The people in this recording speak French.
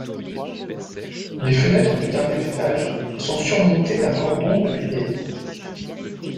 Les fenêtres du dernier étage sont surmontées d'un cordon de billettes.